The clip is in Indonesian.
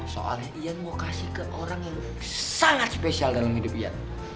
soalnya iya mau kasih ke orang yang sangat spesial dalam hidup iya